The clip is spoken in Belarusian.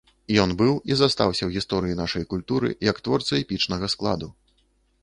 Ён быў і застаўся ў гісторыі нашай культуры як творца эпічнага складу.